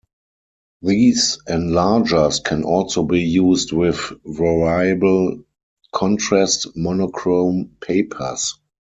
These enlargers can also be used with variable-contrast monochrome papers.